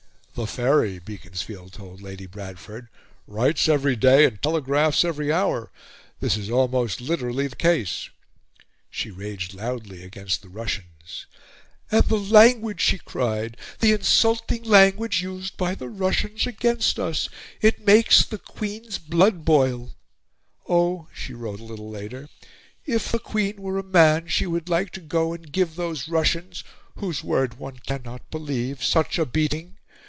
"The Faery," Beaconsfield told Lady Bradford, "writes every day and telegraphs every hour; this is almost literally the case." She raged loudly against the Russians. "And the language," she cried, "the insulting language used by the Russians against us! It makes the Queen's blood boil!" "Oh," she wrote a little later, "if the Queen were a man, she would like to go and give those Russians, whose word one cannot believe, such a beating!